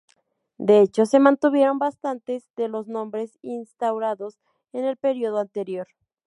De hecho, se mantuvieron bastantes de los nombres instaurados en el período anterior.